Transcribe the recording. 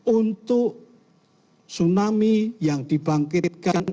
untuk tsunami yang dibangkitkan aktivitas tersebut